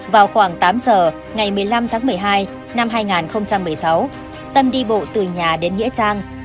vào khoảng tám giờ ngày một mươi năm tháng một mươi hai năm hai nghìn một mươi sáu tâm đi bộ từ nhà đến nghĩa trang